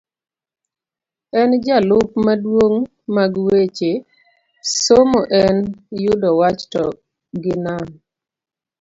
en jalup maduong' mag weche, somo en yudo wach to gi nam